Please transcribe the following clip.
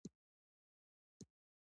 د بریښنا بیل په بانک تحویلیږي؟